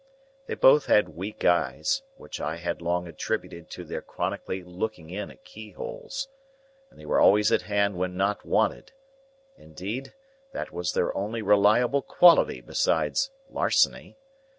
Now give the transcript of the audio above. They both had weak eyes, which I had long attributed to their chronically looking in at keyholes, and they were always at hand when not wanted; indeed that was their only reliable quality besides larceny.